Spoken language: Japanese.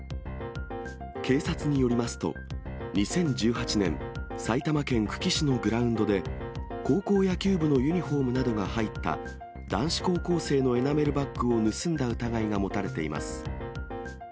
警察によりますと、２０１８年、埼玉県久喜市のグラウンドで、高校野球部のユニホームなどが入った男子高校生のエナメルバッグを盗んだ疑いが持たれています。